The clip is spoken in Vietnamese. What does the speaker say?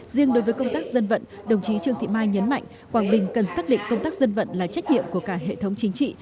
riêng đối với công tác dân vận đồng chí trương thị mai nhấn mạnh quảng bình cần xác định công tác dân vận là trách nhiệm của cả hệ thống chính trị